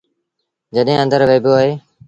جڏهيݩ آݩدر وهيٚبو اهي۔